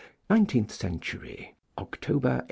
Nineteenth Century, October, 1885.